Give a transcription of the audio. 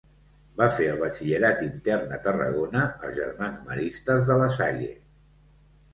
Va fer el batxillerat intern a Tarragona, als germans Maristes de la Salle.